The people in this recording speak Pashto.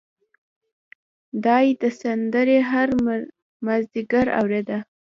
دای دا سندره هر مازدیګر اورېده.